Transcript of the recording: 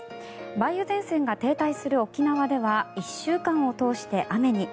梅雨前線が停滞する沖縄では１週間を通して雨に。